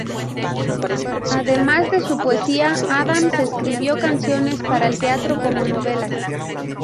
Además de su poesía, Adams escribió canciones para el teatro como novelas.